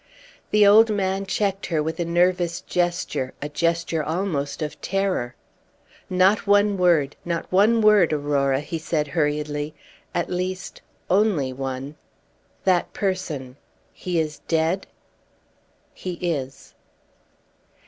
The old man checked her with a nervous gesture a gesture almost of terror. "Not one word not one word, Aurora," he said, hurriedly; "at least, only one. That person he is dead?" "He is."